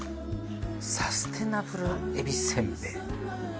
「サステナブルえびせんべい」。